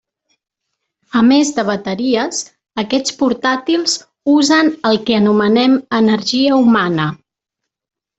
A més de bateries, aquests portàtils usen el que anomenen “energia humana”.